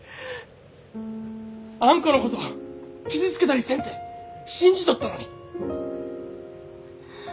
あんこのこと傷つけたりせんて信じとったのに。